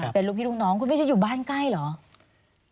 เป็นลูกพี่ลูกน้องคุณไม่ใช่อยู่บ้านใกล้เหรอ